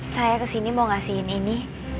saya kesini mau ngasihin ini